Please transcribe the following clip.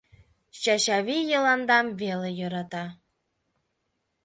Чачавий Йыландам веле йӧрата.